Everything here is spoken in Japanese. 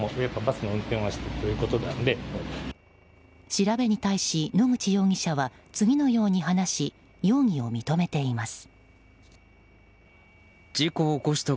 調べに対し、野口容疑者は次のように話し容疑を認めています。